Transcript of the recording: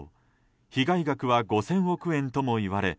被害額は５０００億円ともいわれ